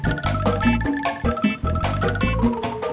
can cirebon berdua